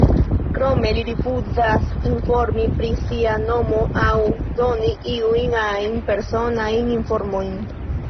Krome, li rifuzas informi pri sia nomo aŭ doni iujn ajn personajn informojn.